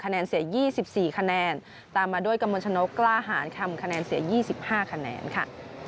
คะแนนเสียยี่สิบสี่คะแนนตามมาด้วยกล้าหารคำคะแนนเสียยี่สิบห้าคะแนนค่ะ